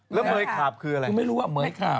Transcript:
แล้วเมย์ขาบคืออะไรครับไม่รู้ว่าเมย์ขาบ